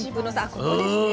ここですね。